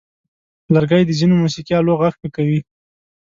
لرګی د ځینو موسیقي آلو غږ ښه کوي.